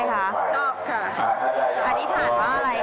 อธิษฐานเพราะอะไรครับตอนทำพิธี